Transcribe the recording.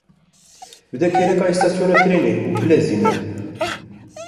Bide kêleka îstasyona trênê û bilezîne!